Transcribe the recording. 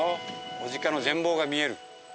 小値賀の全貌が見える。